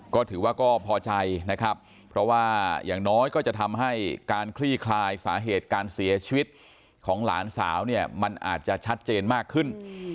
ก็ถือว่าก็พอใจนะครับเพราะว่าอย่างน้อยก็จะทำให้การคลี่คลายสาเหตุการเสียชีวิตของหลานสาวเนี่ยมันอาจจะชัดเจนมากขึ้น